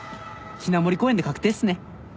雛森公園で確定っすね。